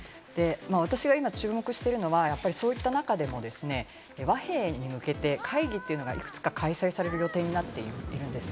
私が今注目しているのは、そういった中でも和平に向けて会議というのがいくつか開催される予定になっているんです。